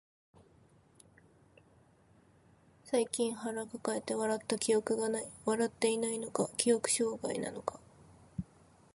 最近腹抱えて笑った記憶がない。笑っていないのか、記憶障害なのか。